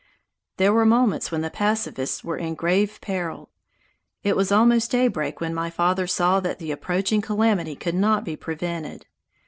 There were moments when the pacifists were in grave peril. It was almost daybreak when my father saw that the approaching calamity could not be prevented.